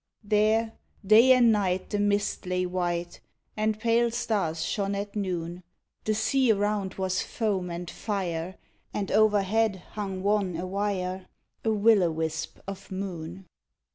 There, day and night, the mist lay white, And pale stars shone at noon; The sea around was foam and fire, And overhead hung wan a wire, A will o' wisp of moon.